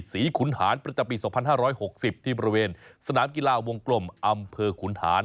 สีขุนหารประจำปีสองพันห้าร้อยหกสิบที่ประเวนสนามกีฬาวงกลมอำเภอขุนหาร